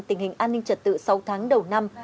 tình hình an ninh trật tự sáu tháng đầu năm